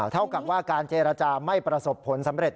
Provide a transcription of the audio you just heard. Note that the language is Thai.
เท่ากับว่าการเจรจาไม่ประสบผลสำเร็จ